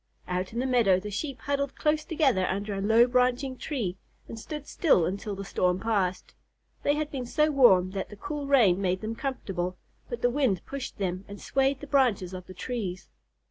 Out in the meadow the Sheep huddled close together under a low branching tree, and stood still until the storm passed. They had been so warm that the cool rain made them comfortable, but the wind pushed them and swayed the branches of the trees.